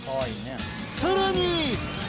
［さらに］